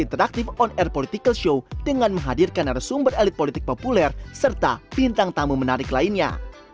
dan teraktif on air political show dengan menghadirkan resumber elit politik populer serta bintang tamu menarik lainnya